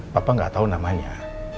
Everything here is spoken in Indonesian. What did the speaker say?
papa gak tau namanya